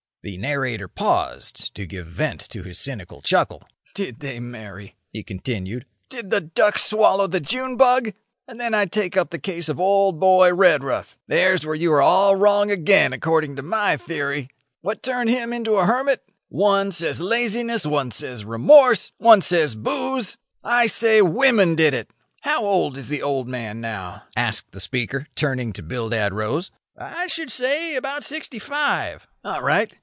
'" The narrator paused to give vent to his cynical chuckle. "Did they marry?" he continued. "Did the duck swallow the June bug? And then I take up the case of Old Boy Redruth. There's where you are all wrong again, according to my theory. What turned him into a hermit? One says laziness; one says remorse; one says booze. I say women did it. How old is the old man now?" asked the speaker, turning to Bildad Rose. "I should say about sixty five." "All right.